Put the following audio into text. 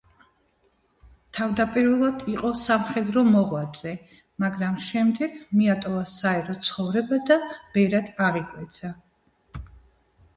თავდაპირველად იყო სამხედრო მოღვაწე, მაგრამ შემდეგ მიატოვა საერო ცხოვრება და ბერად აღიკვეცა.